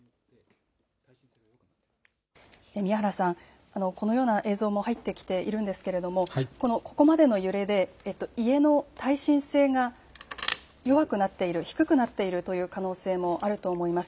宮原さん、このような映像も入ってきているんですけれどもここまでの揺れで家の耐震性が弱くなっている、低くなっているという可能性もあると思います。